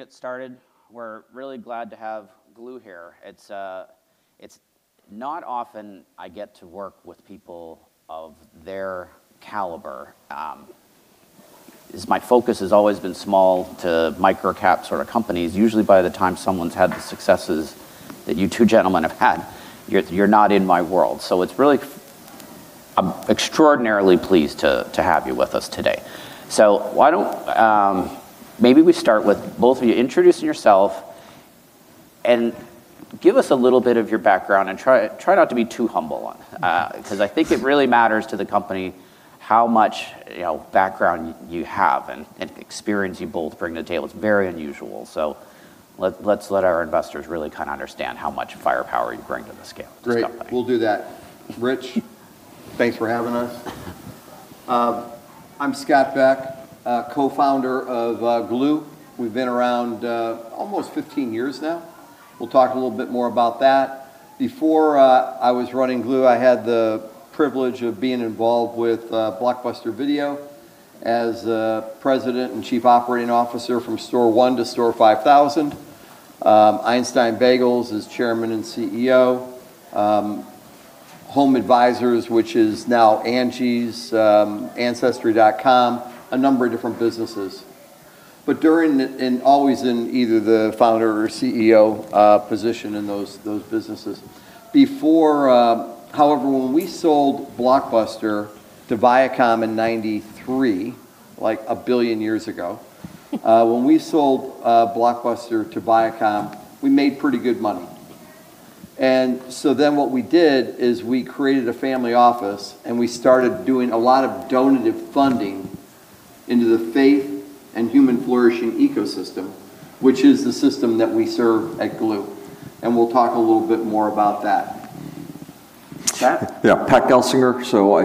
We're gonna get started. We're really glad to have Gloo here. It's, it's not often I get to work with people of their caliber, as my focus has always been small to micro-cap sort of companies. Usually by the time someone's had the successes that you two gentlemen have had, you're not in my world. I'm extraordinarily pleased to have you with us today. Why don't maybe we start with both of you introducing yourself and give us a little bit of your background and try not to be too humble on it. 'Cause I think it really matters to the company how much, you know, background you have and experience you both bring to the table. It's very unusual, so let's let our investors really kinda understand how much firepower you bring to the scale of this company. Great. We'll do that. Rich, thanks for having us. I'm Scott Beck, co-founder of Gloo. We've been around almost 15 years now. We'll talk a little bit more about that. Before I was running Gloo, I had the privilege of being involved with Blockbuster Video as president and Chief Operating Officer from store 1 to store 5,000. Einstein Bros. Bagels as chairman and CEO. HomeAdvisor, which is now Angie's. Ancestry.com. A number of different businesses. During and always in either the founder or CEO position in those businesses. When we sold Blockbuster to Viacom in 1993, like a billion years ago, we made pretty good money. What we did is we created a family office, and we started doing a lot of donative funding into the faith and human flourishing ecosystem, which is the system that we serve at Gloo, and we'll talk a little bit more about that. Pat? Yeah. Pat Gelsinger.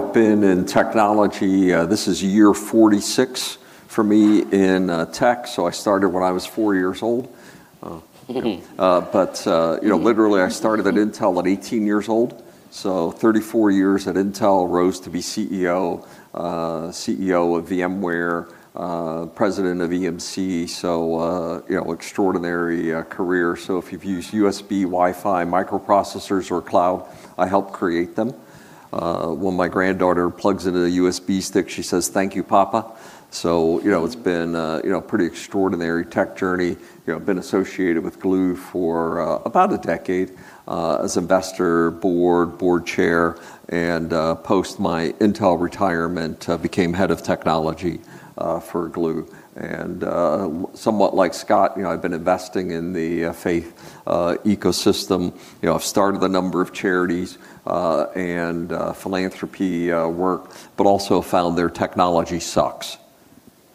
I've been in technology, this is year 46 for me in tech, so I started when I was 4 years old, but you know literally I started at Intel at 18 years old, so 34 years at Intel rose to be CEO of VMware, president of EMC, so you know, extraordinary career. If you've used USB, Wi-Fi, microprocessors or cloud, I helped create them. When my granddaughter plugs into a USB stick, she says, "Thank you, Papa." You know, it's been a you know, pretty extraordinary tech journey. You know, I've been associated with Gloo for about a decade, as investor, board chair, and post my Intel retirement, became Head of Technology for Gloo. Somewhat like Scott, you know, I've been investing in the faith ecosystem. You know, I've started a number of charities and philanthropy work, but also found their technology sucks,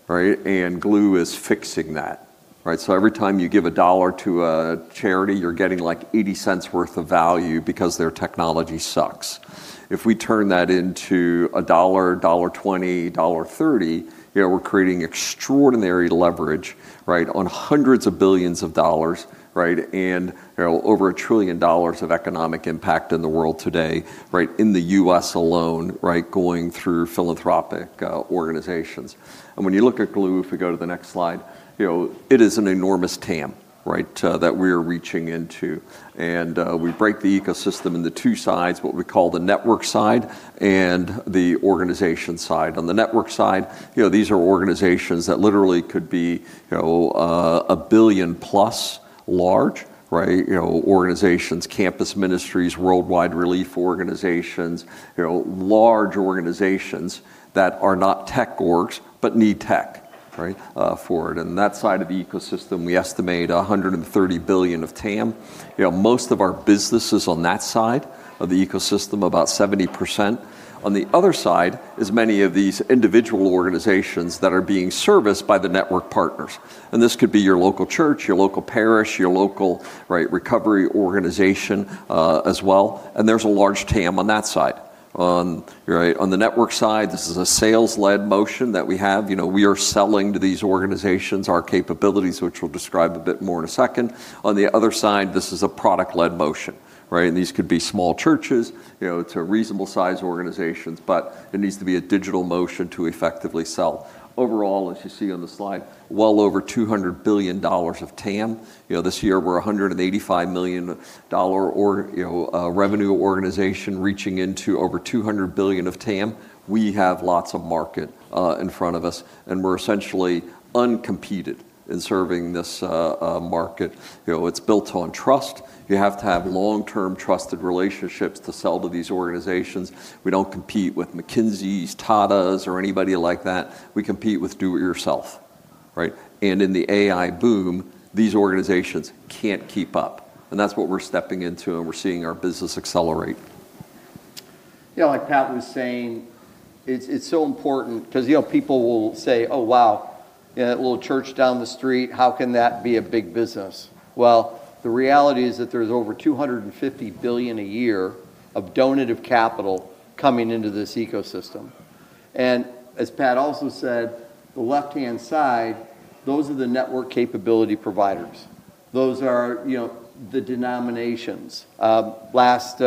right? Gloo is fixing that, right? Every time you give a dollar to a charity, you're getting, like, $0.80 worth of value because their technology sucks. If we turn that into a dollar, $1.20, $1.30, you know, we're creating extraordinary leverage, right, on hundreds of billions of dollars, right, and, you know, over a trillion dollars of economic impact in the world today, right, in the U.S. alone, right, going through philanthropic organizations. When you look at Gloo, if we go to the next slide, you know, it is an enormous TAM that we're reaching into. We break the ecosystem into two sides, what we call the network side and the organization side. On the network side, you know, these are organizations that literally could be, you know, a billion-plus large, right? You know, organizations, campus ministries, worldwide relief organizations. You know, large organizations that are not tech orgs but need tech, right, for it. That side of the ecosystem, we estimate $130 billion of TAM. You know, most of our business is on that side of the ecosystem, about 70%. On the other side is many of these individual organizations that are being serviced by the network partners, and this could be your local church, your local parish, your local recovery organization, as well, and there's a large TAM on that side. Right, on the network side, this is a sales-led motion that we have. You know, we are selling to these organizations our capabilities, which we'll describe a bit more in a second. On the other side, this is a product-led motion, right? These could be small churches, you know, to reasonable-size organizations, but it needs to be a digital motion to effectively sell. Overall, as you see on the slide, well over $200 billion of TAM. You know, this year we're $185 million revenue organization reaching into over $200 billion of TAM. We have lots of market in front of us, and we're essentially uncompeted in serving this market. You know, it's built on trust. You have to have long-term trusted relationships to sell to these organizations. We don't compete with McKinsey's, Tata's, or anybody like that. We compete with do-it-yourself, right? In the AI boom, these organizations can't keep up, and that's what we're stepping into, and we're seeing our business accelerate. You know, like Pat was saying, it's so important, cause, you know, people will say, "Oh, wow, you know, that little church down the street, how can that be a big business?" Well, the reality is that there's over $250 billion a year of donative capital coming into this ecosystem. As Pat also said, the left-hand side, those are the network capability providers. Those are, you know, the denominations. Last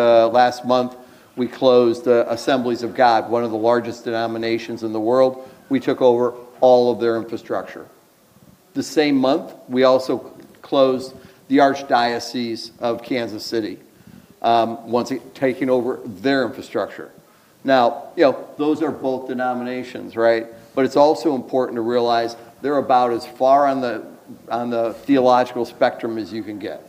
month, we closed Assemblies of God, one of the largest denominations in the world. We took over all of their infrastructure. The same month, we also closed the Archdiocese of Kansas City, taking over their infrastructure. Now, you know, those are both denominations, right? It's also important to realize they're about as far on the theological spectrum as you can get.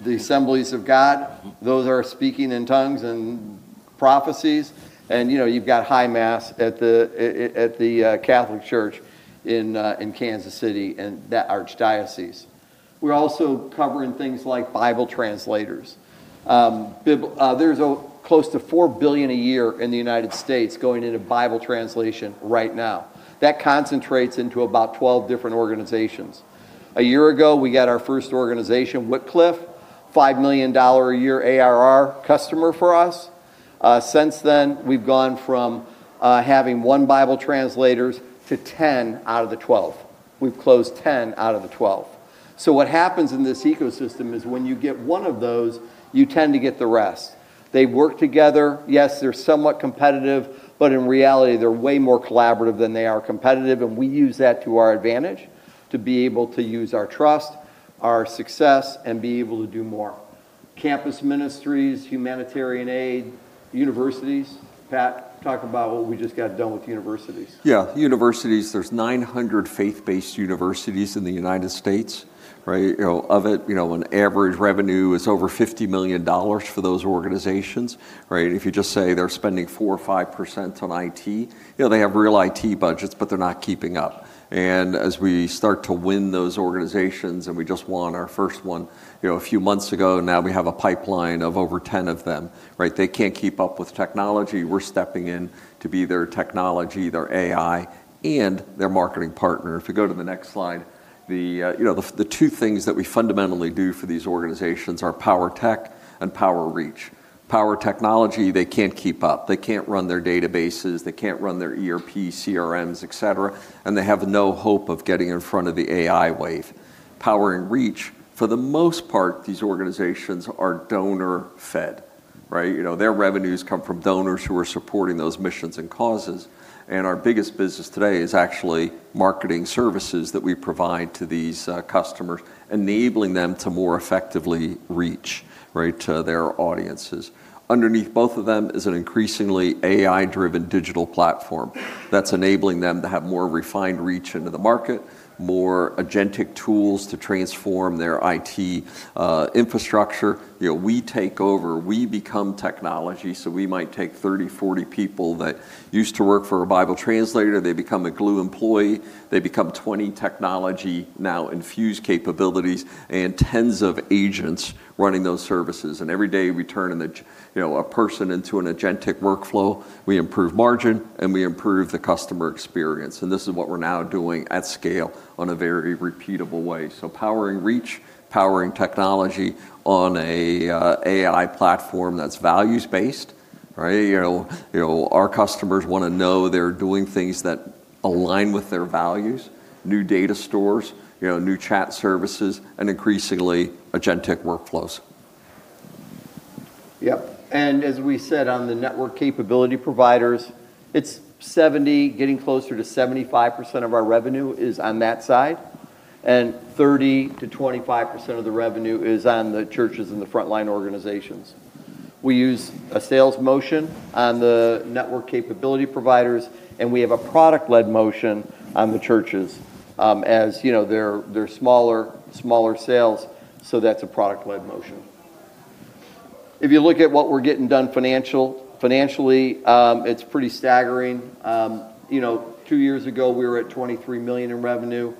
The Assemblies of God, those are speaking in tongues and prophecies, and you know, you've got high mass at the Catholic Church in Kansas City and that Archdiocese. We're also covering things like Bible translators. There's close to $4 billion a year in the United States going into Bible translation right now. That concentrates into about 12 different organizations. A year ago, we got our first organization, Wycliffe, $5 million a year ARR customer for us. Since then, we've gone from having one Bible translators to 10 out of the 12. We've closed 10 out of the 12. What happens in this ecosystem is when you get one of those, you tend to get the rest. They work together. Yes, they're somewhat competitive, but in reality, they're way more collaborative than they are competitive, and we use that to our advantage to be able to use our trust, our success, and be able to do more. Campus ministries, humanitarian aid, universities. Pat, talk about what we just got done with universities. Yeah, universities, there's 900 faith-based universities in the United States, right? You know, an average revenue is over $50 million for those organizations, right? If you just say they're spending 4% or 5% on IT, you know, they have real IT budgets, but they're not keeping up. As we start to win those organizations, and we just won our first one, you know, a few months ago, now we have a pipeline of over 10 of them, right? They can't keep up with technology. We're stepping in to be their technology, their AI, and their marketing partner. If you go to the next slide, you know, the two things that we fundamentally do for these organizations are power tech and power reach. Power technology, they can't keep up. They can't run their databases. They can't run their ERP, CRMs, et cetera, and they have no hope of getting in front of the AI wave. Power and reach, for the most part, these organizations are donor-fed, right? You know, their revenues come from donors who are supporting those missions and causes, and our biggest business today is actually marketing services that we provide to these customers, enabling them to more effectively reach, right, their audiences. Underneath both of them is an increasingly AI-driven digital platform that's enabling them to have more refined reach into the market, more agentic tools to transform their IT infrastructure. You know, we take over. We become technology, so we might take 30, 40 people that used to work for a Bible translator. They become a Gloo employee. They become 20 technology now infused capabilities and tens of agents running those services. Every day, we turn a person into an agentic workflow. You know, we improve margin, and we improve the customer experience, and this is what we're now doing at scale in a very repeatable way. Powering reach, powering technology on a AI platform that's values-based, right? You know, our customers wanna know they're doing things that align with their values, new data stores, you know, new chat services, and increasingly agentic workflows. Yep. As we said on the network capability providers, it's 70, getting closer to 75% of our revenue is on that side, and 30%-25% of the revenue is on the churches and the frontline organizations. We use a sales motion on the network capability providers, and we have a product-led motion on the churches, you know, they're smaller sales, so that's a product-led motion. If you look at what we're getting done financially, it's pretty staggering. You know, two years ago, we were at $23 million in revenue.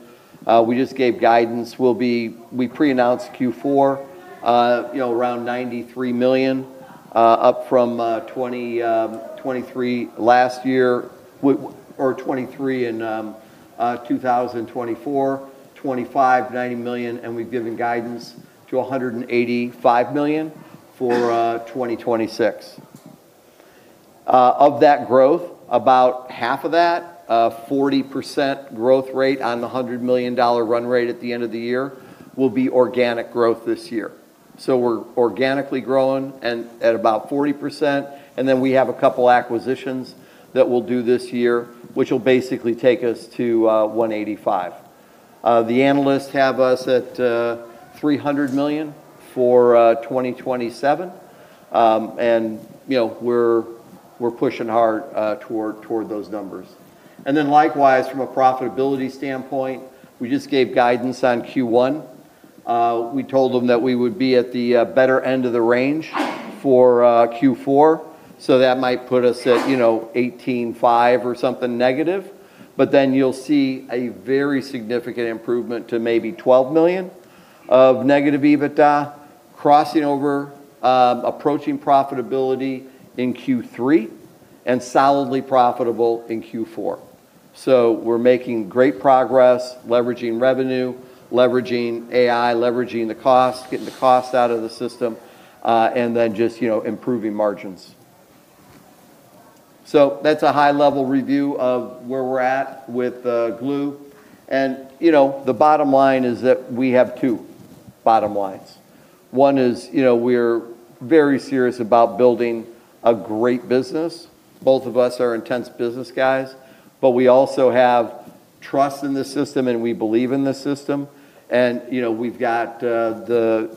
We just gave guidance. We pre-announced Q4, you know, around $93 million, up from 2024, $25.9 million, and we've given guidance to $185 million for 2026. Of that growth, about half of that, 40% growth rate on the $100 million run rate at the end of the year will be organic growth this year. We're organically growing at about 40%, we have a couple acquisitions that we'll do this year, which will basically take us to $185. The analysts have us at $300 million for 2027, you know, we're pushing hard toward those numbers. Likewise, from a profitability standpoint, we just gave guidance on Q1. We told them that we would be at the better end of the range for Q4, so that might put us at, you know, -$18.5 million or something. But then you'll see a very significant improvement to maybe -$12 million of EBITDA crossing over, approaching profitability in Q3 and solidly profitable in Q4. We're making great progress leveraging revenue, leveraging AI, leveraging the cost, getting the cost out of the system, and then just, you know, improving margins. That's a high level review of where we're at with Gloo. You know, the bottom line is that we have two bottom lines. One is, you know, we're very serious about building a great business. Both of us are intense business guys. But we also have trust in the system, and we believe in the system. You know, we've got the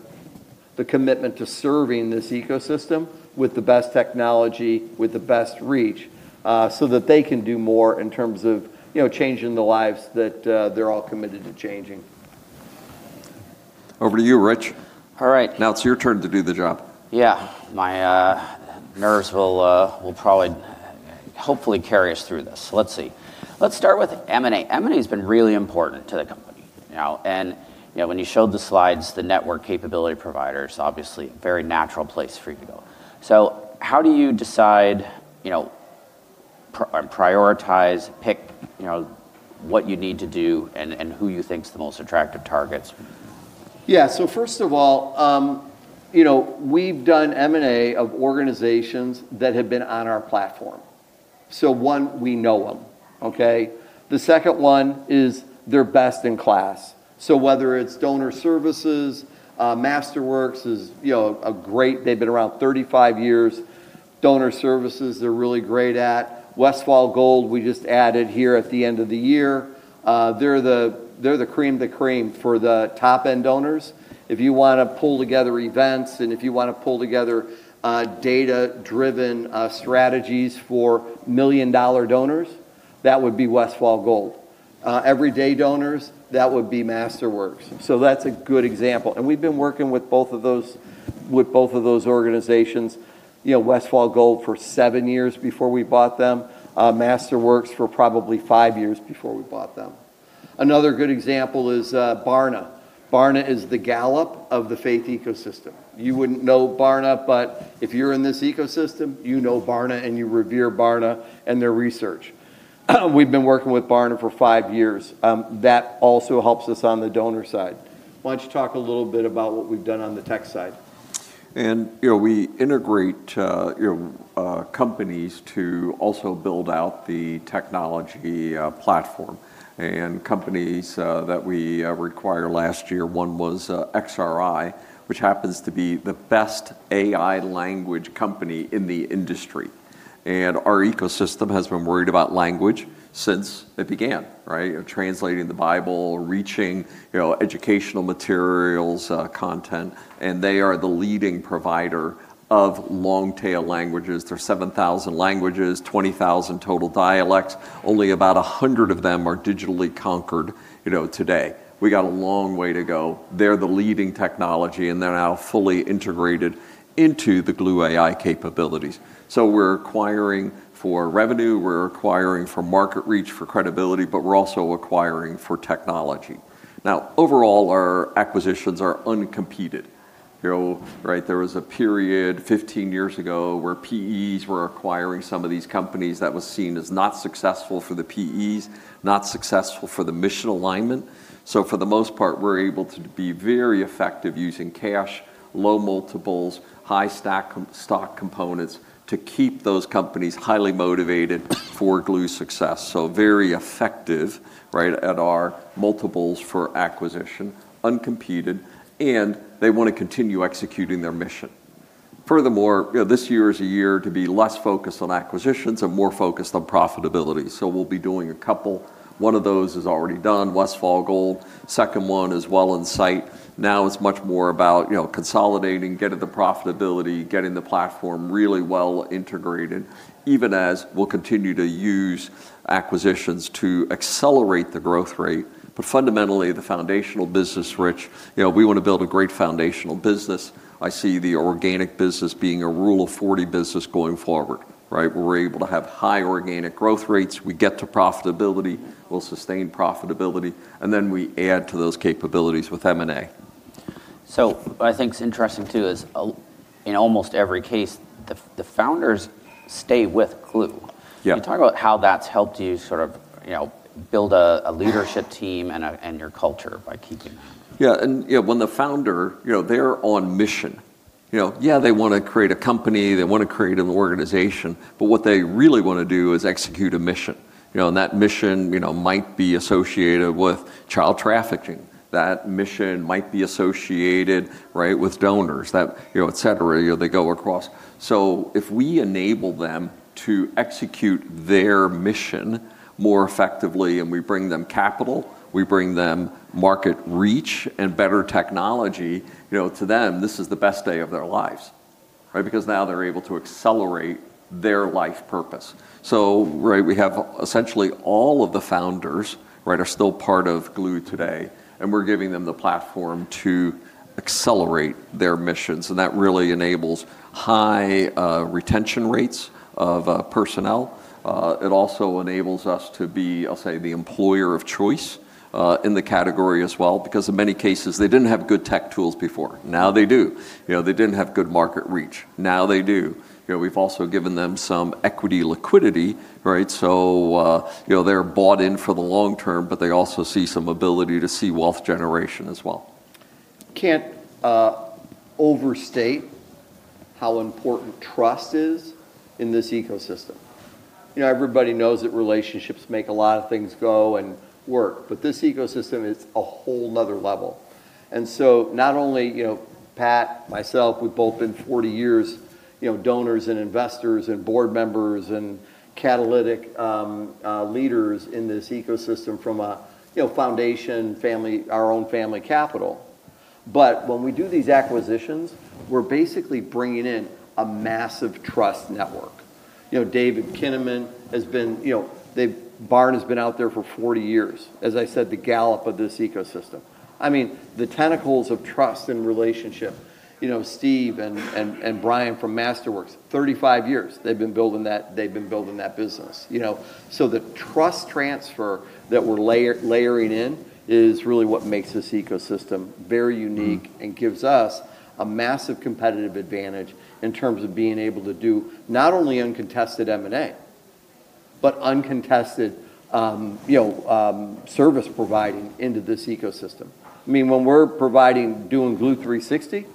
commitment to serving this ecosystem with the best technology, with the best reach, so that they can do more in terms of, you know, changing the lives that they're all committed to changing. Over to you, Rich. All right. Now it's your turn to do the job. Yeah. My nerves will probably hopefully carry us through this. Let's see. Let's start with M&A. M&A has been really important to the company, you know. You know, when you showed the slides, the network capability providers, obviously a very natural place for you to go. So how do you decide, you know, prioritize, pick, you know, what you need to do and who you think is the most attractive targets? Yeah. First of all, you know, we've done M&A of organizations that have been on our platform. One, we know them, okay? The second one is they're best in class. Whether it's Donor Services, Masterworks is, you know, a great. They've been around 35 years. Donor Services, they're really great at. Westfall Gold, we just added here at the end of the year. They're the crème de la crème for the top-end donors. If you wanna pull together events and if you wanna pull together data-driven strategies for million-dollar donors, that would be Westfall Gold. Everyday donors, that would be Masterworks. That's a good example. We've been working with both of those organizations, you know, Westfall Gold for seven years before we bought them, Masterworks for probably five years before we bought them. Another good example is Barna. Barna is the Gallup of the faith ecosystem. You wouldn't know Barna, but if you're in this ecosystem, you know Barna, and you revere Barna and their research. We've been working with Barna for five years. That also helps us on the donor side. Why don't you talk a little bit about what we've done on the tech side? You know, we integrate, you know, companies to also build out the technology platform. Companies that we acquired last year, one was XRI, which happens to be the best AI language company in the industry. Our ecosystem has been worried about language since it began, right? You know, translating the Bible, reaching, you know, educational materials, content, and they are the leading provider of long-tail languages. There's 7,000 languages, 20,000 total dialects. Only about 100 of them are digitally conquered, you know, today. We got a long way to go. They're the leading technology, and they're now fully integrated into the Gloo AI capabilities. We're acquiring for revenue, we're acquiring for market reach, for credibility, but we're also acquiring for technology. Now, overall, our acquisitions are uncontested. You know, right, there was a period 15 years ago where PEs were acquiring some of these companies that was seen as not successful for the PEs, not successful for the mission alignment. For the most part, we're able to be very effective using cash, low multiples, high stock components to keep those companies highly motivated for Gloo's success. Very effective, right, at our multiples for acquisition, uncompeted, and they wanna continue executing their mission. Furthermore, you know, this year is a year to be less focused on acquisitions and more focused on profitability. We'll be doing a couple. One of those is already done, Westfall Gold. Second one is well in sight. Now it's much more about, you know, consolidating, getting the profitability, getting the platform really well integrated, even as we'll continue to use acquisitions to accelerate the growth rate. Fundamentally, the foundational business, Rich, you know, we wanna build a great foundational business. I see the organic business being a Rule of 40 business going forward, right? Where we're able to have high organic growth rates, we get to profitability, we'll sustain profitability, and then we add to those capabilities with M&A. What I think is interesting too is in almost every case, the founders stay with Gloo. Yeah. Can you talk about how that's helped you sort of, you know, build a leadership team and your culture by keeping them? Yeah, you know, when the founder, you know, they're on mission. You know? Yeah, they wanna create a company, they wanna create an organization, but what they really wanna do is execute a mission. You know, that mission, you know, might be associated with child trafficking. That mission might be associated, right, with donors, that, you know, et cetera. You know, they go across. If we enable them to execute their mission more effectively, and we bring them capital, we bring them market reach and better technology, you know, to them, this is the best day of their lives, right? Because now they're able to accelerate their life purpose. Right, we have essentially all of the founders, right, are still part of Gloo today, and we're giving them the platform to accelerate their missions, and that really enables high retention rates of personnel. It also enables us to be, I'll say, the employer of choice in the category as well, because in many cases, they didn't have good tech tools before. Now they do. You know, they didn't have good market reach. Now they do. You know, we've also given them some equity liquidity, right? So, you know, they're bought in for the long term, but they also see some ability to see wealth generation as well. Can't overstate how important trust is in this ecosystem. You know, everybody knows that relationships make a lot of things go and work, but this ecosystem is a whole 'nother level. Not only, you know, Pat Gelsinger, myself, we've both been 40 years, you know, donors and investors and board members and catalytic leaders in this ecosystem from a, you know, foundation, family, our own family capital. When we do these acquisitions, we're basically bringing in a massive trust network. David Kinnaman has been. Barna's been out there for 40 years, as I said, the Gallup of this ecosystem. I mean, the tentacles of trust and relationship, you know, Steve and Brian from Masterworks, 35 years they've been building that business, you know. The trust transfer that we're layering in is really what makes this ecosystem very unique and gives us a massive competitive advantage in terms of being able to do not only uncontested M&A, but uncontested service providing into this ecosystem. I mean, when we're providing, doing Gloo 360,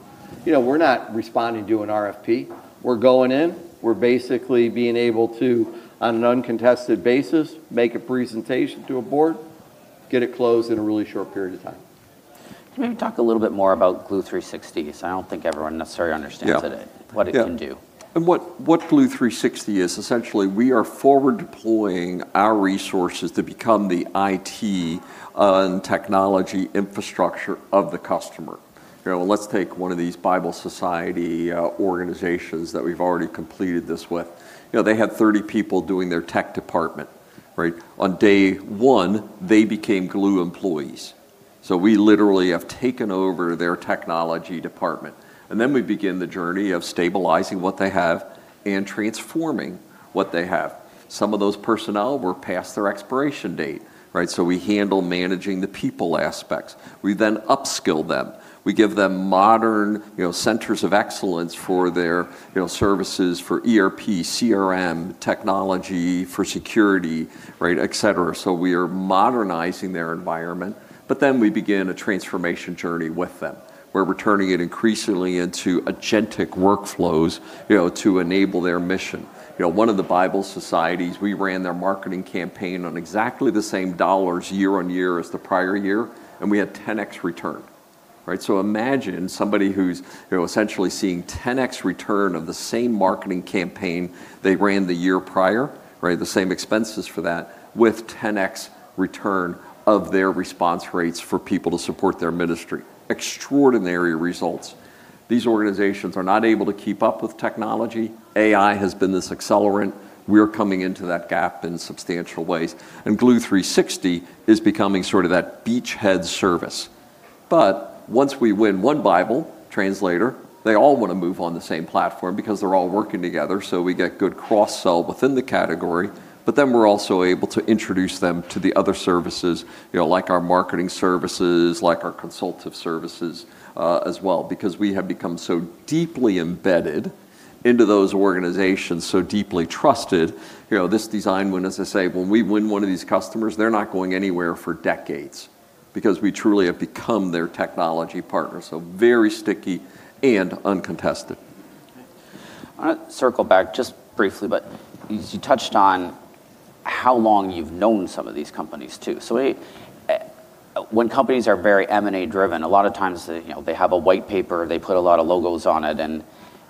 you know, we're not responding to an RFP. We're going in, we're basically being able to, on an uncontested basis, make a presentation to a board, get it closed in a really short period of time. Can you maybe talk a little bit more about Gloo 360? I don't think everyone necessarily understands it. Yeah. What it can do. What Gloo 360 is, essentially we are forward deploying our resources to become the IT and technology infrastructure of the customer. You know, let's take one of these Bible society organizations that we've already completed this with. You know, they had 30 people doing their tech department, right? On day one, they became Gloo employees. We literally have taken over their technology department, and then we begin the journey of stabilizing what they have and transforming what they have. Some of those personnel were past their expiration date, right? We handle managing the people aspects. We then upskill them. We give them modern, you know, centers of excellence for their, you know, services for ERP, CRM, technology for security, right, et cetera. We are modernizing their environment, but then we begin a transformation journey with them, where we're turning it increasingly into agentic workflows, you know, to enable their mission. You know, one of the Bible societies, we ran their marketing campaign on exactly the same dollars year on year as the prior year, and we had 10x return, right? Imagine somebody who's, you know, essentially seeing 10x return of the same marketing campaign they ran the year prior, right? The same expenses for that with 10x return of their response rates for people to support their ministry. Extraordinary results. These organizations are not able to keep up with technology. AI has been this accelerant. We're coming into that gap in substantial ways, and Gloo 360 is becoming sort of that beachhead service. Once we win one Bible translator, they all wanna move on the same platform because they're all working together, so we get good cross-sell within the category. We're also able to introduce them to the other services, you know, like our marketing services, like our consultative services, as well, because we have become so deeply embedded into those organizations, so deeply trusted. You know, this design win, as I say, when we win one of these customers, they're not going anywhere for decades because we truly have become their technology partner, so very sticky and uncontested. I wanna circle back just briefly, but you touched on how long you've known some of these companies too. When companies are very M&A driven, a lot of times, you know, they have a white paper, they put a lot of logos on it,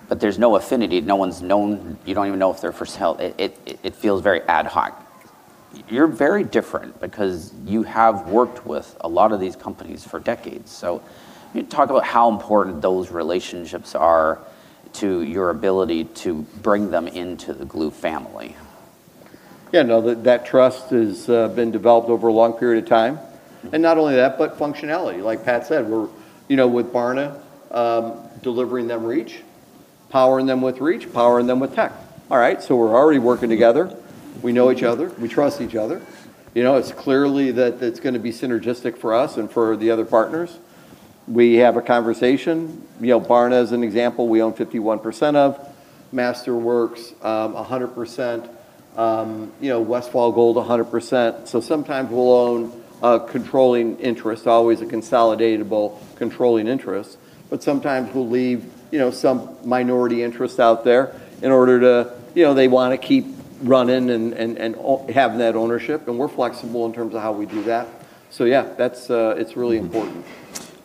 but there's no affinity. No one's known. You don't even know if they're for sale. It feels very ad hoc. You're very different because you have worked with a lot of these companies for decades. Can you talk about how important those relationships are to your ability to bring them into the Gloo family? Yeah, no, that trust has been developed over a long period of time. Not only that, but functionality. Like Pat said, we're you know with Barna delivering them reach, powering them with reach, powering them with tech. All right? We're already working together. We know each other. We trust each other. You know, it's clear that it's gonna be synergistic for us and for the other partners. We have a conversation. You know, Barna, as an example, we own 51% of Masterworks, 100%. You know, Westfall Gold, 100%. Sometimes we'll own a controlling interest, always a consolidatable controlling interest, but sometimes we'll leave you know some minority interest out there in order to you know they wanna keep running and having that ownership, and we're flexible in terms of how we do that. Yeah, that's, it's really important.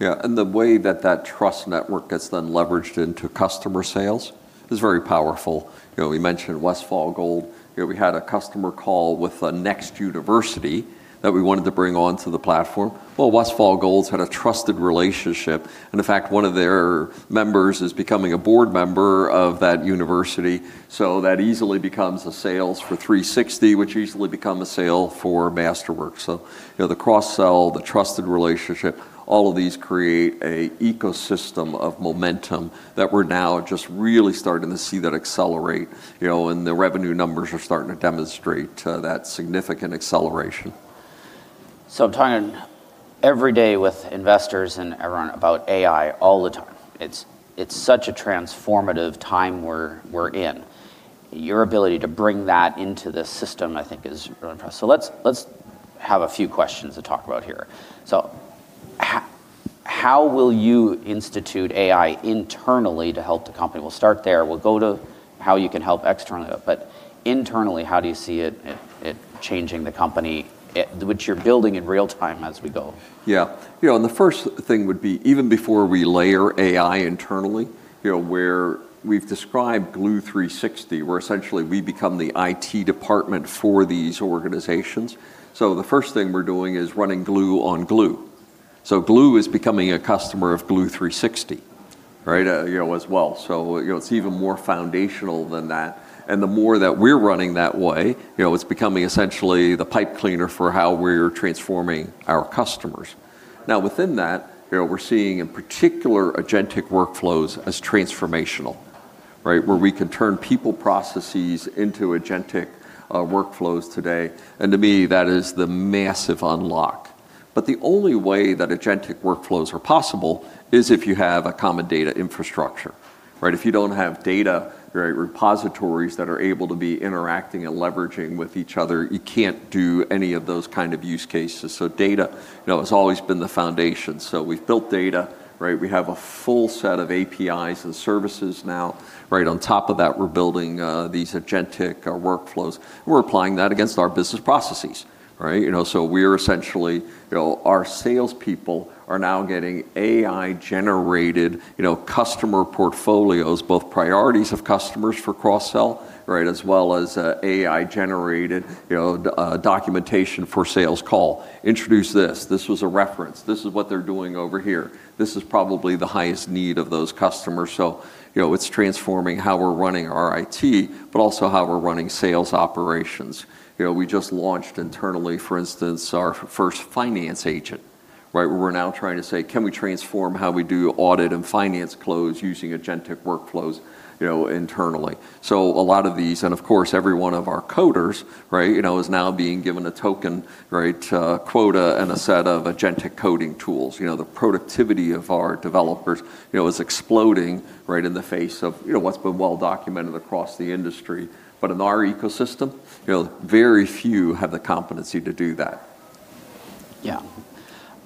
Yeah, the way that that trust network gets then leveraged into customer sales is very powerful. You know, we mentioned Westfall Gold. You know, we had a customer call with a next university that we wanted to bring onto the platform. Well, Westfall Gold's had a trusted relationship, and in fact, one of their members is becoming a board member of that university, so that easily becomes a sales for Gloo 360, which easily become a sale for Masterworks. You know, the cross-sell, the trusted relationship, all of these create a ecosystem of momentum that we're now just really starting to see that accelerate, you know, and the revenue numbers are starting to demonstrate that significant acceleration. I'm talking every day with investors and everyone about AI all the time. It's such a transformative time we're in. Your ability to bring that into the system, I think, is really impressive. Let's have a few questions to talk about here. How will you institute AI internally to help the company? We'll start there. We'll go to how you can help externally. Internally, how do you see it changing the company, which you're building in real time as we go? Yeah. You know, the first thing would be even before we layer AI internally, you know, where we've described Gloo 360, where essentially we become the IT department for these organizations. The first thing we're doing is running Gloo on Gloo. Gloo is becoming a customer of Gloo 360, right? You know, as well. You know, it's even more foundational than that, and the more that we're running that way, you know, it's becoming essentially the pipe cleaner for how we're transforming our customers. Now, within that, you know, we're seeing in particular agentic workflows as transformational, right? Where we can turn people processes into agentic workflows today. To me, that is the massive unlock. The only way that agentic workflows are possible is if you have a common data infrastructure, right? If you don't have data repositories that are able to be interacting and leveraging with each other, you can't do any of those kind of use cases. Data, you know, has always been the foundation. We've built data, right? We have a full set of APIs and services now. Right on top of that, we're building these agentic workflows. We're applying that against our business processes, right? You know, we're essentially, you know, our salespeople are now getting AI-generated, you know, customer portfolios, both priorities of customers for cross-sell, right? As well as AI-generated, you know, documentation for sales call. Introduce this. This was a reference. This is what they're doing over here. This is probably the highest need of those customers. You know, it's transforming how we're running our IT, but also how we're running sales operations. You know, we just launched internally, for instance, our first finance agent, right? Where we're now trying to say, "Can we transform how we do audit and finance close using agentic workflows, you know, internally?" A lot of these, and of course, every one of our coders, right, you know, is now being given a token, right, quota and a set of agentic coding tools. You know, the productivity of our developers, you know, is exploding right in the face of, you know, what's been well documented across the industry. In our ecosystem, you know, very few have the competency to do that. Yeah,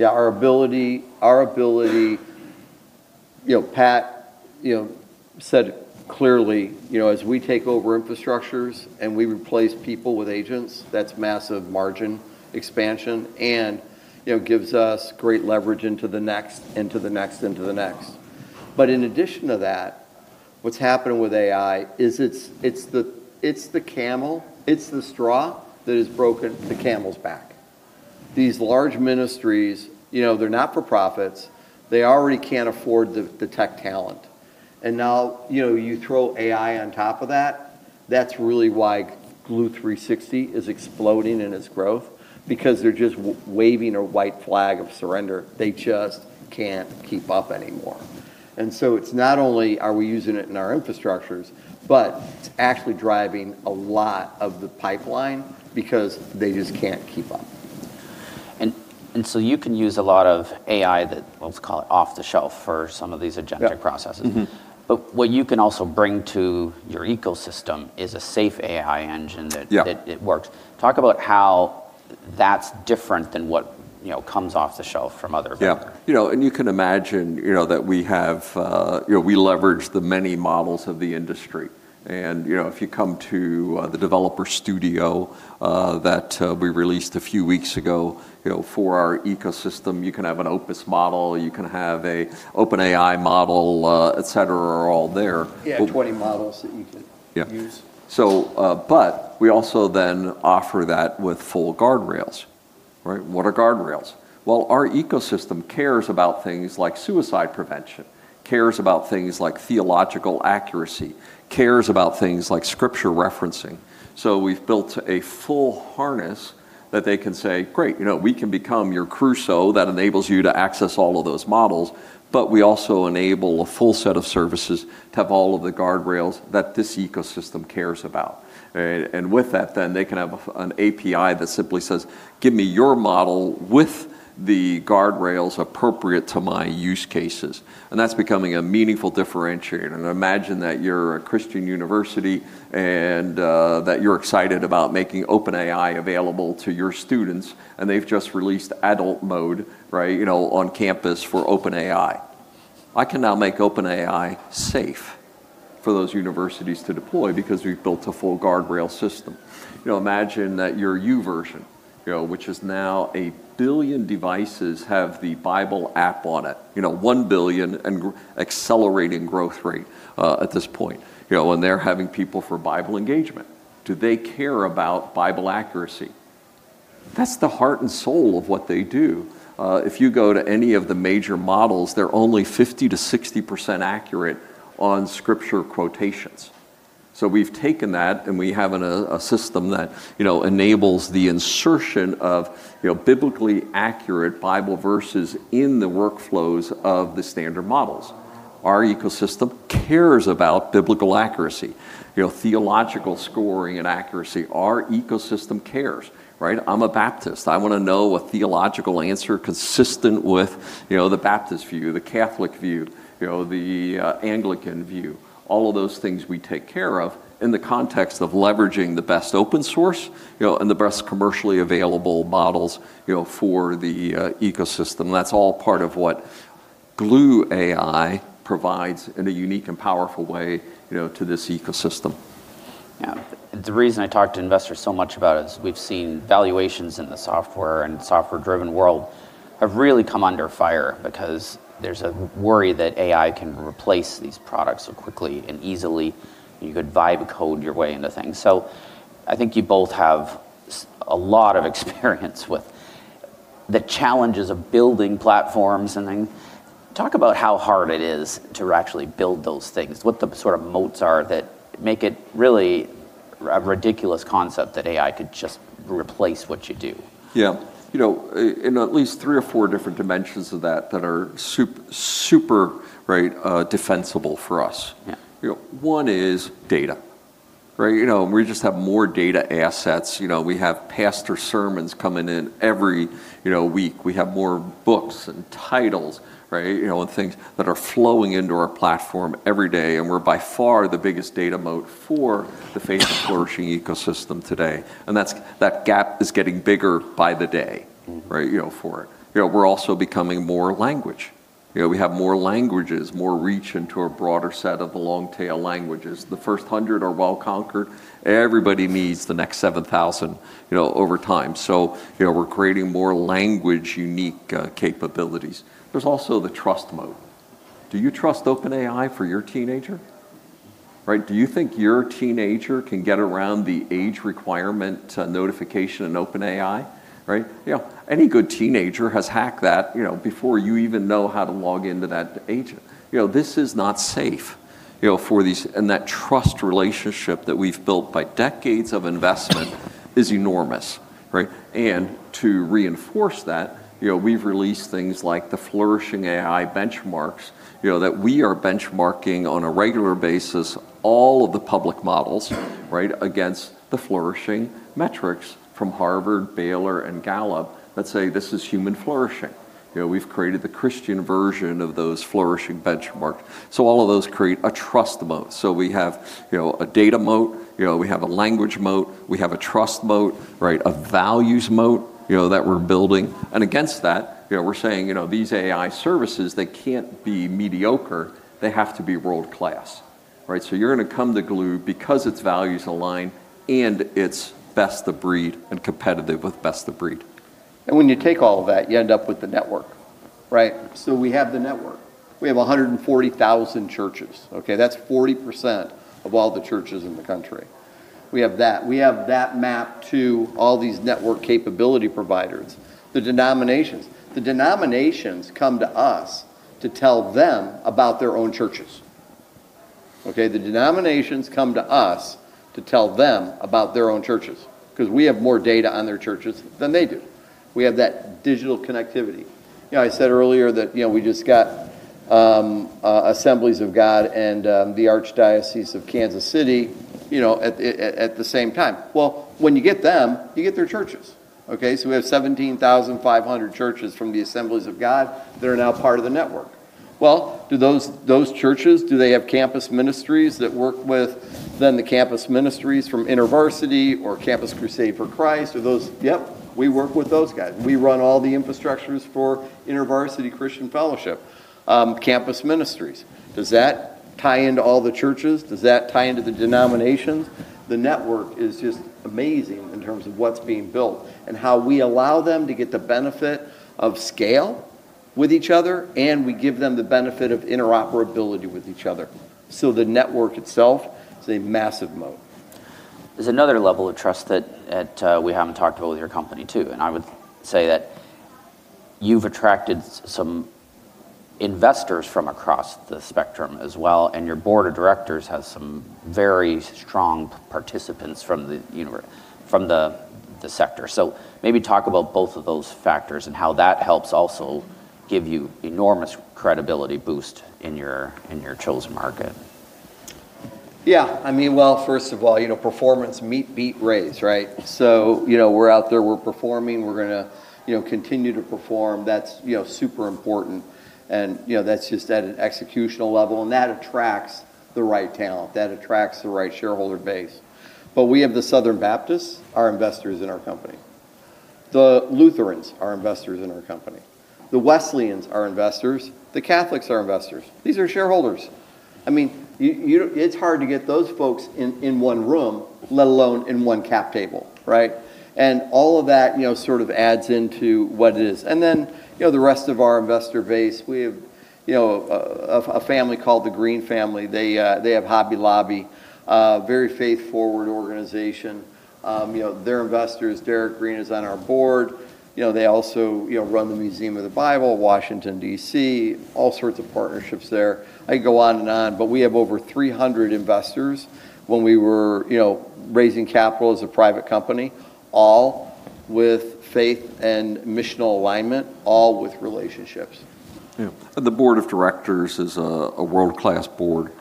our ability. You know, Pat, you know, said it clearly, you know, as we take over infrastructures and we replace people with agents, that's massive margin expansion and, you know, gives us great leverage into the next. In addition to that, what's happening with AI is it's the straw that has broken the camel's back. These large ministries, you know, they're nonprofits. They already can't afford the tech talent. Now, you know, you throw AI on top of that's really why Gloo 360 is exploding in its growth because they're just waving a white flag of surrender. They just can't keep up anymore. It's not only are we using it in our infrastructures, but it's actually driving a lot of the pipeline because they just can't keep up. You can use a lot of AI that, let's call it off the shelf for some of these agentic processes. Yeah. What you can also bring to your ecosystem is a safe AI engine that, it works. Talk about how that's different than what, you know, comes off the shelf from other vendors. Yeah. You know, you can imagine, you know, that we have, you know, we leverage the many models of the industry. You know, if you come to the developer studio that we released a few weeks ago, you know, for our ecosystem, you can have an Opus model, you can have an OpenAI model, et cetera, are all there. Yeah, 20 models that you can use. We also then offer that with full guardrails, right? What are guardrails? Well, our ecosystem cares about things like suicide prevention, cares about things like theological accuracy, cares about things like scripture referencing. We've built a full harness that they can say, "Great, you know, we can become your Crusoe that enables you to access all of those models," but we also enable a full set of services to have all of the guardrails that this ecosystem cares about. With that, they can have an API that simply says, "Give me your model with the guardrails appropriate to my use cases." That's becoming a meaningful differentiator. Imagine that you're a Christian university and that you're excited about making OpenAI available to your students, and they've just released adult mode, right, you know, on campus for OpenAI. I can now make OpenAI safe for those universities to deploy because we've built a full guardrail system. You know, imagine that your YouVersion, you know, which is now 1 billion devices have the Bible app on it, you know, 1 billion and accelerating growth rate, at this point, you know, and they're having people for Bible engagement. Do they care about Bible accuracy? That's the heart and soul of what they do. If you go to any of the major models, they're only 50%-60% accurate on scripture quotations. We've taken that, and we have a system that, you know, enables the insertion of, you know, biblically accurate Bible verses in the workflows of the standard models. Our ecosystem cares about biblical accuracy, you know, theological scoring and accuracy. Our ecosystem cares, right? I'm a Baptist. I wanna know a theological answer consistent with, you know, the Baptist view, the Catholic view, you know, the Anglican view. All of those things we take care of in the context of leveraging the best open source, you know, and the best commercially available models, you know, for the ecosystem. That's all part of what Gloo AI provides in a unique and powerful way, you know, to this ecosystem. Yeah. The reason I talk to investors so much about it is we've seen valuations in the software and software-driven world have really come under fire because there's a worry that AI can replace these products so quickly and easily. You could write code your way into things. I think you both have a lot of experience with the challenges of building platforms and things. Talk about how hard it is to actually build those things, what the sort of moats are that make it really a ridiculous concept that AI could just replace what you do. Yeah. You know, at least three or four different dimensions of that are super, right, defensible for us. Yeah. You know, one is data, right? You know, we just have more data assets. You know, we have pastor sermons coming in every, you know, week. We have more books and titles, right, you know, and things that are flowing into our platform every day, and we're by far the biggest data moat for the faith-flourishing ecosystem today, and that's that gap is getting bigger by the day. Right, you know, for it. You know, we're also becoming more multilingual. You know, we have more languages, more reach into a broader set of the long-tail languages. The first 100 are well conquered. Everybody needs the next 7,000, you know, over time. You know, we're creating more language-unique capabilities. There's also the trust moat. Do you trust OpenAI for your teenager? Right? Do you think your teenager can get around the age requirement, notification in OpenAI, right? You know, any good teenager has hacked that, you know, before you even know how to log into that agent. You know, this is not safe, you know, for these. That trust relationship that we've built by decades of investment is enormous, right? To reinforce that, you know, we've released things like the Flourishing AI benchmarks, you know, that we are benchmarking on a regular basis all of the public models, right, against the flourishing metrics from Harvard, Baylor, and Gallup that say this is human flourishing. You know, we've created the Christian version of those flourishing benchmark. All of those create a trust moat. We have, you know, a data moat, you know, we have a language moat, we have a trust moat, right, a values moat, you know, that we're building, and against that, you know, we're saying, you know, these AI services, they can't be mediocre. They have to be world-class, right? You're gonna come to Gloo because its values align and it's best of breed and competitive with best of breed. When you take all of that, you end up with the network, right? We have the network. We have 140,000 churches, okay? That's 40% of all the churches in the country. We have that. We have that mapped to all these network capability providers. The denominations come to us to tell them about their own churches, 'cause we have more data on their churches than they do. We have that digital connectivity. You know, I said earlier that, you know, we just got Assemblies of God and the Archdiocese of Kansas City, you know, at the same time. Well, when you get them, you get their churches, okay? We have 17,500 churches from the Assemblies of God that are now part of the network. Well, do those churches, do they have campus ministries that work with the campus ministries from InterVarsity or Campus Crusade for Christ or those? Yep, we work with those guys. We run all the infrastructures for InterVarsity Christian Fellowship, campus ministries. Does that tie into all the churches? Does that tie into the denominations? The network is just amazing in terms of what's being built and how we allow them to get the benefit of scale with each other, and we give them the benefit of interoperability with each other. The network itself is a massive moat. There's another level of trust that we haven't talked about with your company too, and I would say that you've attracted some investors from across the spectrum as well, and your board of directors has some very strong participants from the sector. Maybe talk about both of those factors and how that helps also give you enormous credibility boost in your chosen market. Yeah. I mean, well, first of all, you know, performance meet beat raise, right? You know, we're out there, we're performing, we're gonna, you know, continue to perform. That's, you know, super important and, you know, that's just at an executional level, and that attracts the right talent, that attracts the right shareholder base. We have the Southern Baptists are investors in our company. The Lutherans are investors in our company. The Wesleyans are investors. The Catholics are investors. These are shareholders. I mean, you. It's hard to get those folks in one room, let alone in one cap table, right? All of that, you know, sort of adds into what it is. Then, you know, the rest of our investor base, we have, you know, a family called the Green family. They have Hobby Lobby, very faith-forward organization. You know, they're investors. Derek Green is on our board. You know, they also run the Museum of the Bible, Washington, D.C., all sorts of partnerships there. I could go on and on, but we have over 300 investors when we were raising capital as a private company, all with faith and missional alignment, all with relationships. Yeah. The board of directors is a world-class board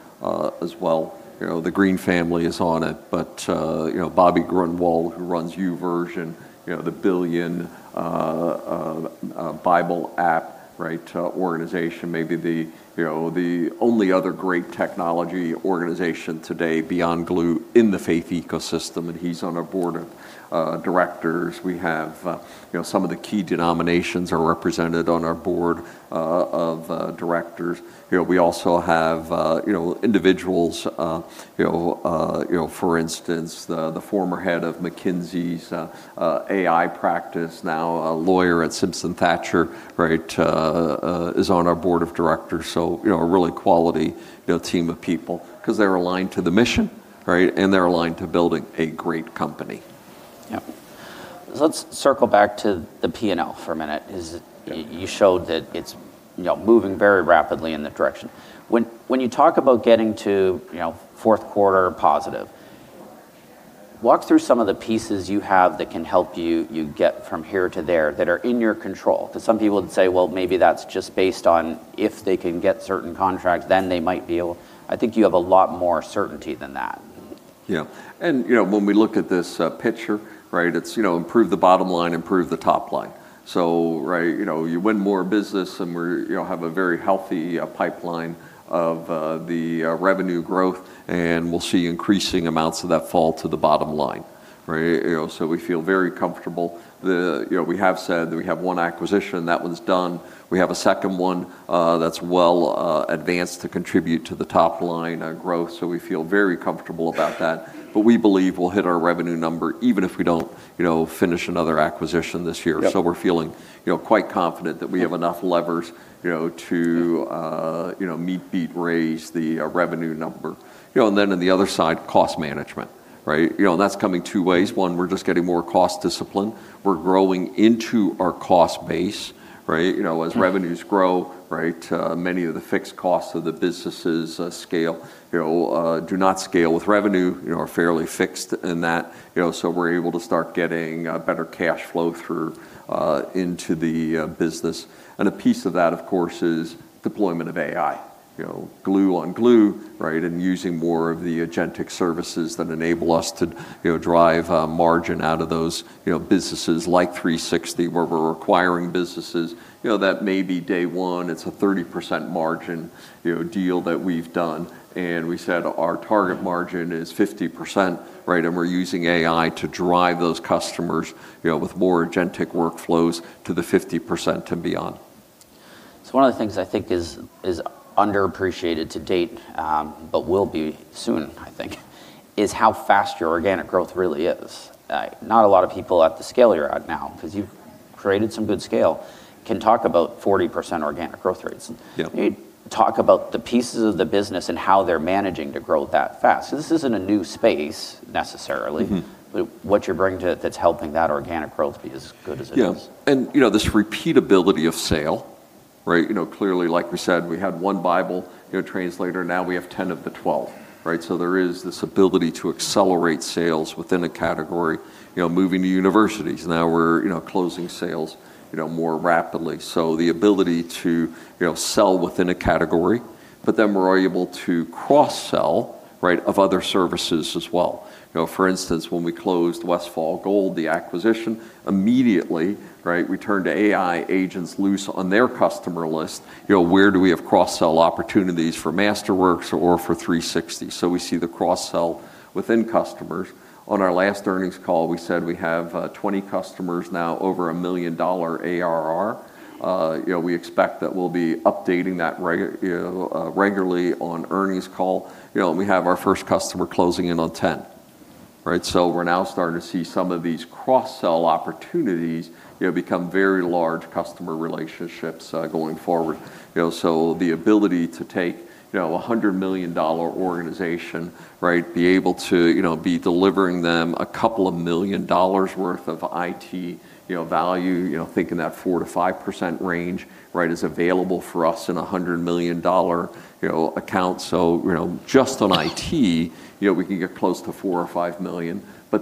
as well. You know, the Green family is on it, but you know, Bobby Gruenewald, who runs YouVersion, you know, the billion Bible app, right, organization, maybe the you know, the only other great technology organization today beyond Gloo in the faith ecosystem, and he's on our board of directors. You know, some of the key denominations are represented on our board of directors. You know, we also have you know, individuals you know, for instance, the former head of McKinsey's AI practice, now a lawyer at Simpson Thacher, right? is on our board of directors. You know, a really quality you know, team of people 'cause they're aligned to the mission, right? They're aligned to building a great company. Yep. Let's circle back to the P&L for a minute. You showed that it's, you know, moving very rapidly in that direction. When you talk about getting to, you know, fourth quarter positive, walk through some of the pieces you have that can help you get from here to there that are in your control. 'Cause some people would say, "Well, maybe that's just based on if they can get certain contracts, then they might be able." I think you have a lot more certainty than that. Yeah. You know, when we look at this picture, right? It's, you know, improve the bottom line, improve the top line. Right, you know, you win more business and we're, you know, have a very healthy pipeline of the revenue growth, and we'll see increasing amounts of that fall to the bottom line, right? You know, we feel very comfortable. You know, we have said that we have one acquisition. That one's done. We have a second one that's well advanced to contribute to the top line growth, so we feel very comfortable about that. We believe we'll hit our revenue number even if we don't, you know, finish another acquisition this year. We're feeling, you know, quite confident that we have enough levers, you know, to meet, beat, raise the revenue number. You know, and then on the other side, cost management, right? You know, and that's coming two ways. One, we're just getting more cost discipline. We're growing into our cost base, right? You know, as revenues grow, right, many of the fixed costs of the businesses do not scale with revenue, you know, are fairly fixed in that, you know, so we're able to start getting better cash flow through into the business. And a piece of that, of course, is deployment of AI. You know, Gloo on Gloo, right? Using more of the agentic services that enable us to, you know, drive margin out of those, you know, businesses like 360, where we're acquiring businesses. You know, that may be day one. It's a 30% margin, you know, deal that we've done, and we said our target margin is 50%, right? We're using AI to drive those customers, you know, with more agentic workflows to the 50% and beyond. One of the things I think is underappreciated to date, but will be soon, I think, is how fast your organic growth really is. Not a lot of people at the scale you're at now, 'cause you've created some good scale, can talk about 40% organic growth rates. Yeah. Can you talk about the pieces of the business and how they're managing to grow that fast? This isn't a new space necessarily. What you're bringing to it that's helping that organic growth be as good as it is? Yeah. You know, this repeatability of sale, right? You know, clearly, like we said, we had one Bible, you know, translator, now we have 10 of the 12, right? There is this ability to accelerate sales within a category. You know, moving to universities, now we're, you know, closing sales, you know, more rapidly. The ability to, you know, sell within a category, but then we're able to cross-sell, right, of other services as well. You know, for instance, when we closed Westfall Gold, the acquisition, immediately, right, we turned AI agents loose on their customer list. You know, where do we have cross-sell opportunities for Masterworks or for 360? We see the cross-sell within customers. On our last earnings call, we said we have 20 customers now over $1 million ARR. You know, we expect that we'll be updating that regularly on earnings call. You know, we have our first customer closing in on 10, right? We're now starting to see some of these cross-sell opportunities, you know, become very large customer relationships going forward. You know, the ability to take, you know, a $100 million organization, right? Be able to, you know, be delivering them a couple of million dollars' worth of IT, you know, value. You know, thinking that 4%-5% range, right, is available for us in a $100 million, you know, account. You know, just on IT, you know, we can get close to $4 million or $5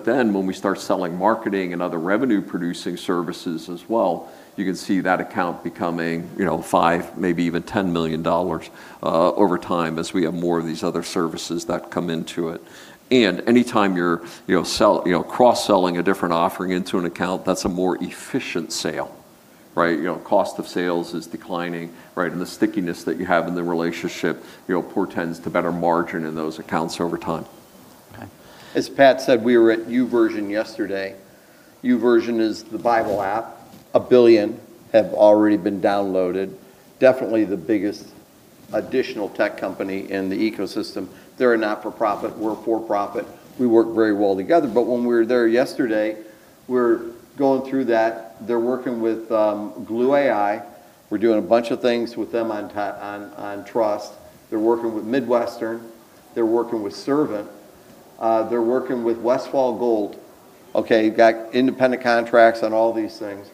million. When we start selling marketing and other revenue-producing services as well, you can see that account becoming, you know, $5 million, maybe even $10 million over time as we have more of these other services that come into it. Anytime you're, you know, cross-selling a different offering into an account, that's a more efficient sale, right? You know, cost of sales is declining, right? The stickiness that you have in the relationship, you know, portends to better margin in those accounts over time. Okay. As Pat said, we were at YouVersion yesterday. YouVersion is the Bible app. 1 billion have already been downloaded. Definitely the biggest additional tech company in the ecosystem. They're a not-for-profit, we're a for-profit. We work very well together. When we were there yesterday, we're going through that. They're working with Gloo AI. We're doing a bunch of things with them on Trust. They're working with Midwestern. They're working with Servant. They're working with Westfall Gold. Okay, you've got independent contracts on all these things.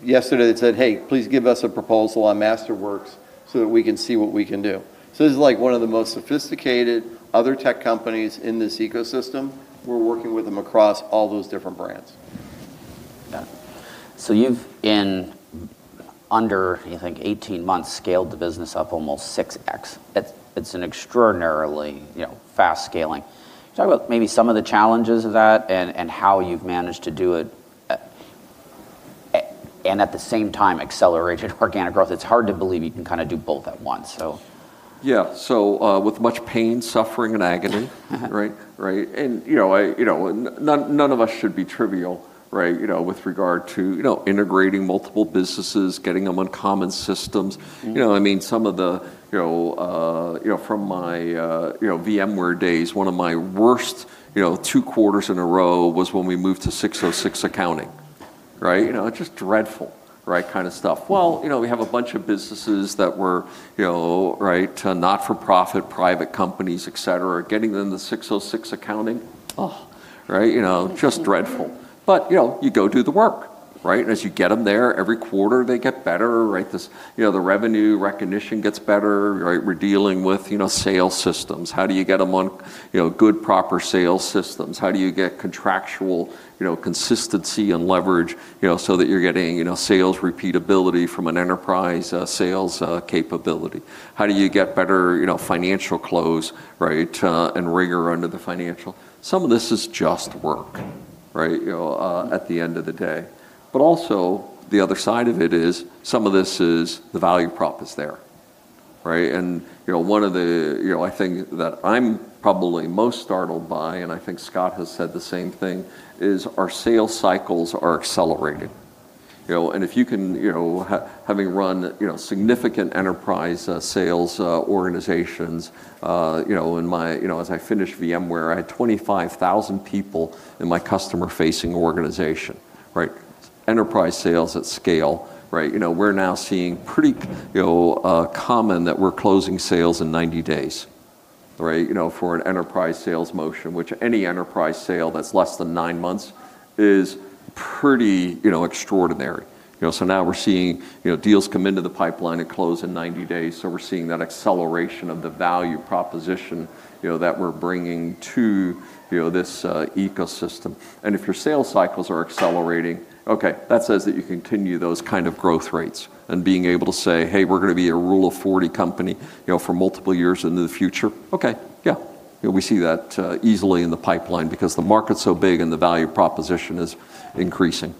Yesterday they said, "Hey, please give us a proposal on Masterworks so that we can see what we can do." This is like one of the most sophisticated other tech companies in this ecosystem. We're working with them across all those different brands. Yeah. You've, in under, I think, 18 months, scaled the business up almost 6x. It's an extraordinarily, you know, fast scaling. Can you talk about maybe some of the challenges of that and how you've managed to do it and at the same time, accelerated organic growth. It's hard to believe you can kinda do both at once, so. Yeah. With much pain, suffering, and agony, right? Right. You know, I, you know, none of us should be trivial, right, you know, with regard to, you know, integrating multiple businesses, getting them on common systems. You know, I mean, some of the, you know, from my, you know, VMware days, one of my worst, you know, two quarters in a row was when we moved to ASC 606 accounting, right? You know, just dreadful, right, kinda stuff. Well, you know, we have a bunch of businesses that were, you know, right, not-for-profit, private companies, et cetera. Getting them to ASC 606 accounting, ugh, right? Just dreadful. You know, you go do the work, right? As you get them there, every quarter they get better, right? This, you know, the revenue recognition gets better, right? We're dealing with, you know, sales systems. How do you get them on, you know, good proper sales systems? How do you get contractual, you know, consistency and leverage, you know, so that you're getting, you know, sales repeatability from an enterprise sales capability? How do you get better, you know, financial close, right, and rigor under the financial? Some of this is just work, right, you know, at the end of the day. Also, the other side of it is some of this is the value prop is there, right? You know, one of the, you know, I think that I'm probably most startled by, and I think Scott has said the same thing, is our sales cycles are accelerating, you know. If you can, you know, having run, you know, significant enterprise sales organizations, you know, in my, you know, as I finished VMware, I had 25,000 people in my customer-facing organization, right? Enterprise sales at scale, right? You know, we're now seeing pretty, you know, common that we're closing sales in 90 days, right, you know, for an enterprise sales motion, which any enterprise sale that's less than nine months is pretty, you know, extraordinary. You know, now we're seeing, you know, deals come into the pipeline and close in 90 days, so we're seeing that acceleration of the value proposition, you know, that we're bringing to, you know, this ecosystem. If your sales cycles are accelerating, okay, that says that you continue those kind of growth rates. Being able to say, "Hey, we're gonna be a Rule of 40 company, you know, for multiple years into the future," okay, yeah. You know, we see that easily in the pipeline because the market's so big and the value proposition is increasing.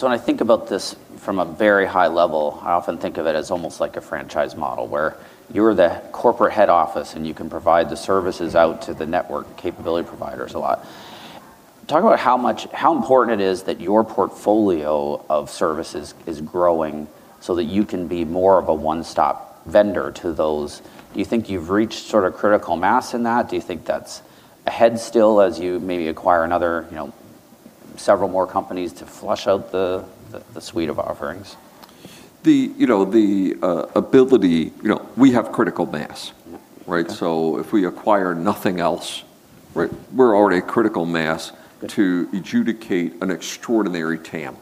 When I think about this from a very high level, I often think of it as almost like a franchise model where you're the corporate head office and you can provide the services out to the network capability providers a lot. Talk about how much, how important it is that your portfolio of services is growing so that you can be more of a one-stop vendor to those. Do you think you've reached sort of critical mass in that? Do you think that's ahead still as you maybe acquire another, you know, several more companies to flesh out the suite of offerings? You know, the ability, you know, we have critical mass. Right? If we acquire nothing else, right, we're already at critical mass to articulate an extraordinary TAM.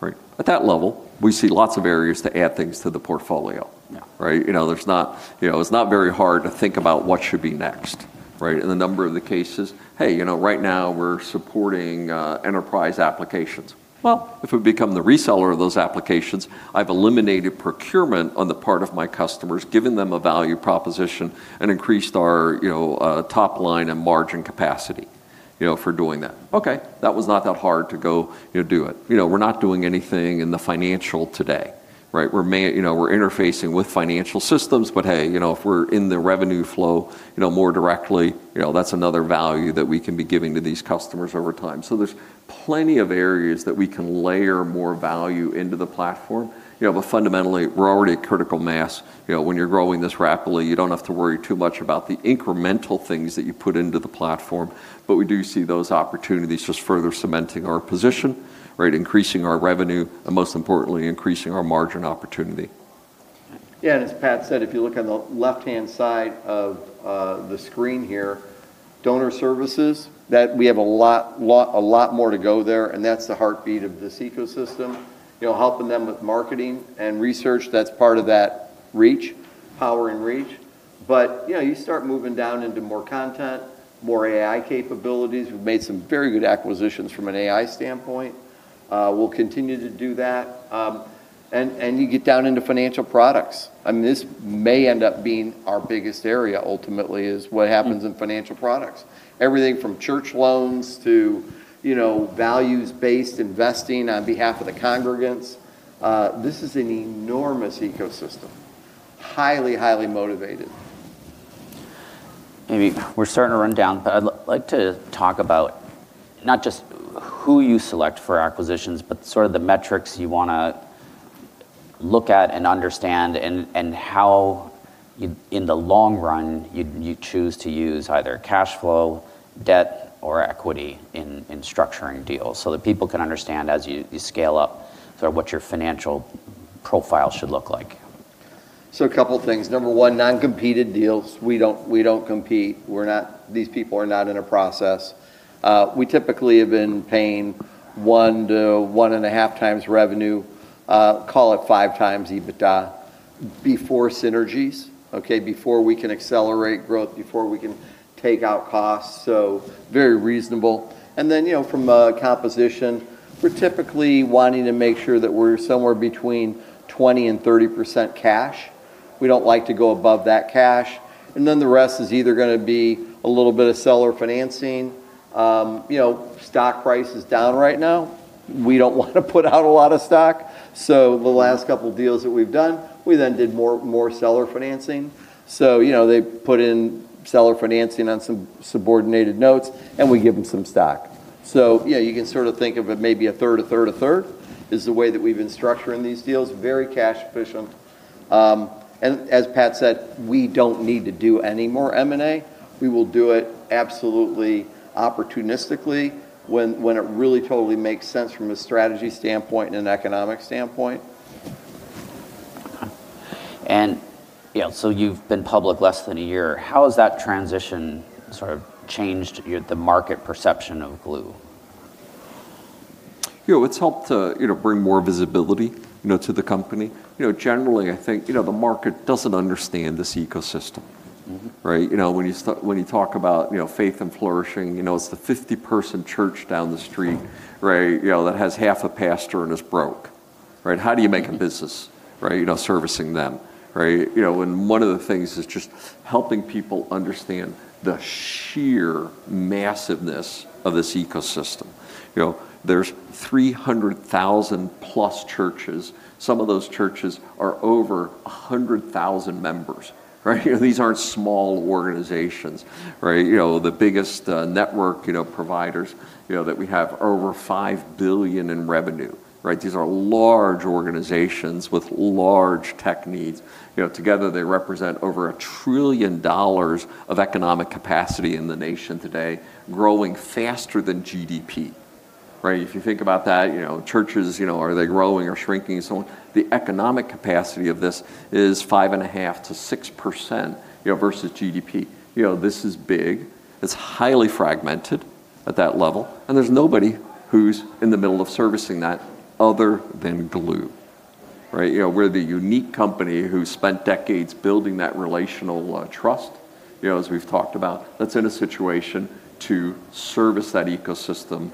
Right? At that level, we see lots of areas to add things to the portfolio. Yeah. Right? You know, there's not, you know, it's not very hard to think about what should be next, right? In a number of the cases, hey, you know, right now we're supporting enterprise applications. Well, if we become the reseller of those applications, I've eliminated procurement on the part of my customers, given them a value proposition, and increased our, you know, top line and margin capacity, you know, for doing that. Okay, that was not that hard to go, you know, do it. You know, we're not doing anything in the financial today, right? We're interfacing with financial systems, but hey, you know, if we're in the revenue flow, you know, more directly, you know, that's another value that we can be giving to these customers over time. There's plenty of areas that we can layer more value into the platform. You know, fundamentally, we're already at critical mass. You know, when you're growing this rapidly, you don't have to worry too much about the incremental things that you put into the platform. We do see those opportunities just further cementing our position, right, increasing our revenue, and most importantly, increasing our margin opportunity. Yeah. Yeah, as Pat said, if you look on the left-hand side of the screen here, Donor Services, that we have a lot more to go there, and that's the heartbeat of this ecosystem. You know, helping them with marketing and research, that's part of that reach, powering reach. You know, you start moving down into more content, more AI capabilities. We've made some very good acquisitions from an AI standpoint. We'll continue to do that. And you get down into financial products. I mean, this may end up being our biggest area ultimately is what happens in financial products. Everything from church loans to, you know, values-based investing on behalf of the congregants. This is an enormous ecosystem. Highly motivated. Maybe, we're starting to run down, but I'd like to talk about not just who you select for acquisitions, but sort of the metrics you wanna look at and understand and how in the long run, you choose to use either cash flow, debt, or equity in structuring deals so that people can understand as you scale up sort of what your financial profile should look like. A couple things. Number one, non-competed deals. We don't compete. We're not. These people are not in a process. We typically have been paying 1x -1.5x revenue, call it 5 times EBITDA before synergies, okay? Before we can accelerate growth, before we can take out costs, very reasonable. From a composition, we're typically wanting to make sure that we're somewhere between 20%-30% cash. We don't like to go above that cash, and then the rest is either gonna be a little bit of seller financing. You know, stock price is down right now. We don't wanna put out a lot of stock. The last couple deals that we've done, we then did more seller financing. You know, they put in seller financing on some subordinated notes, and we give them some stock. Yeah, you can sort of think of it maybe a third, a third, a third, is the way that we've been structuring these deals, very cash efficient. As Pat said, we don't need to do any more M&A. We will do it absolutely opportunistically when it really totally makes sense from a strategy standpoint and an economic standpoint. You know, you've been public less than a year. How has that transition sort of changed the market perception of Gloo? You know, it's helped to, you know, bring more visibility, you know, to the company. You know, generally, I think, you know, the market doesn't understand this ecosystem. Mm-hmm. Right? You know, when you talk about, you know, faith and flourishing, you know, it's the 50-person church down the street, right, you know, that has half a pastor and is broke, right? How do you make a business, right, you know, servicing them, right? You know, one of the things is just helping people understand the sheer massiveness of this ecosystem. You know, there's 300,000+ churches. Some of those churches are over 100,000 members, right? These aren't small organizations, right? You know, the biggest network, you know, providers, you know, that we have are over $5 billion in revenue, right? These are large organizations with large tech needs. You know, together they represent over $1 trillion of economic capacity in the nation today, growing faster than GDP. Right? If you think about that, you know, churches, you know, are they growing or shrinking and so on, the economic capacity of this is 5.5%-6%, you know, versus GDP. You know, this is big. It's highly fragmented at that level, and there's nobody who's in the middle of servicing that other than Gloo, right? You know, we're the unique company who spent decades building that relational trust, you know, as we've talked about, that's in a situation to service that ecosystem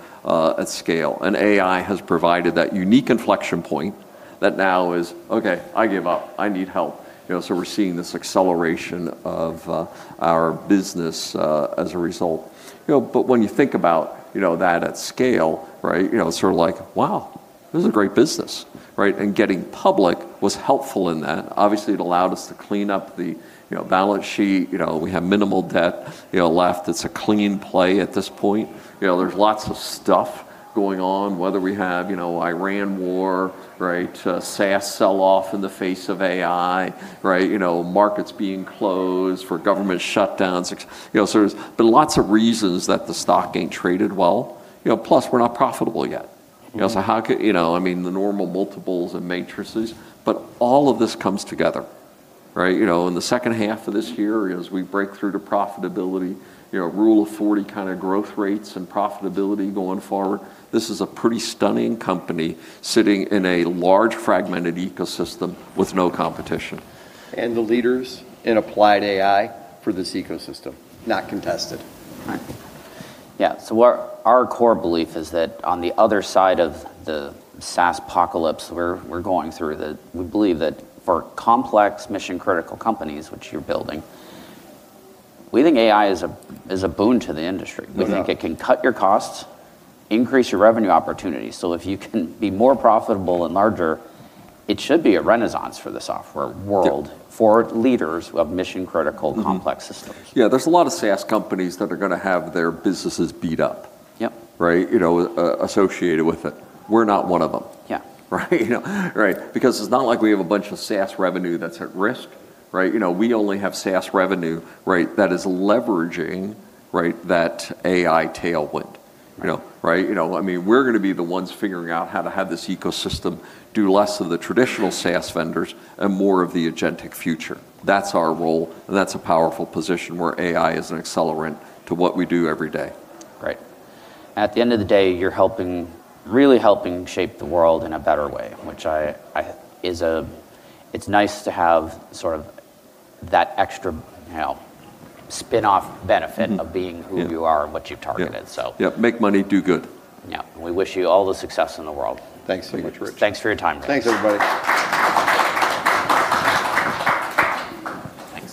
at scale. AI has provided that unique inflection point that now is, "Okay, I give up. I need help," you know? We're seeing this acceleration of our business as a result. You know, when you think about that at scale, right, you know, it's sort of like, "Wow, this is a great business," right? Getting public was helpful in that. Obviously, it allowed us to clean up the, you know, balance sheet. You know, we have minimal debt, you know, left. It's a clean play at this point. You know, there's lots of stuff going on, whether we have, you know, Iran war, right, a SaaS sell-off in the face of AI, right, you know, markets being closed for government shutdowns. You know, so there's been lots of reasons that the stock ain't traded well. You know, plus, we're not profitable yet. You know, I mean, the normal multiples and matrices, but all of this comes together, right? You know, in the second half of this year as we break through to profitability, you know, Rule of 40 kinda growth rates and profitability going forward, this is a pretty stunning company sitting in a large fragmented ecosystem with no competition. The leaders in applied AI for this ecosystem, not contested. Right. Yeah. Our core belief is that on the other side of the SaaSpocalypse we're going through, we believe that for complex mission critical companies, which you're building, we think AI is a boon to the industry. No doubt. We think it can cut your costs, increase your revenue opportunities. If you can be more profitable and larger, it should be a renaissance for the software world for leaders of mission critical complex systems. Yeah. There's a lot of SaaS companies that are gonna have their businesses beat up. Yep Right, you know, associated with it. We're not one of them. Yeah. Right? You know, right. Because it's not like we have a bunch of SaaS revenue that's at risk, right? You know, we only have SaaS revenue, right, that is leveraging, right, that AI tailwind. Right. You know? Right? You know, I mean, we're gonna be the ones figuring out how to have this ecosystem do less of the traditional SaaS vendors and more of the agentic future. That's our role, and that's a powerful position where AI is an accelerant to what we do every day. Right. At the end of the day, you're helping really helping shape the world in a better way, which is nice to have sort of that extra, you know, spin-off benefit of being who you are. What you've targeted. Yeah. So. Yeah. Make money, do good. Yeah. We wish you all the success in the world. Thanks so much, Rich. Thanks for your time. Thanks, everybody.